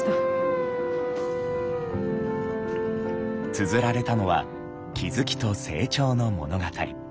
つづられたのは気付きと成長の物語。